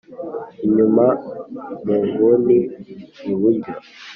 inyuma munguni iburyo